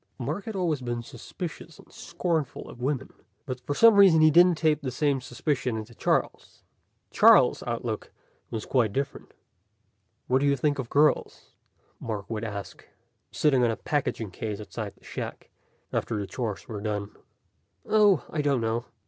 Mark had always been suspicious and scornful of women. But for some reason he didn't tape the same suspicion into Charles. Charles' outlook was quite different. "What do you think of girls?" Mark would ask, sitting on a packing case outside the shack, after the chores were done. "Oh, I don't know.